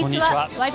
「ワイド！